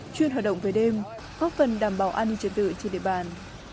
chuyên hoạt động về đêm góp phần đảm bảo an ninh trật tự trên địa bàn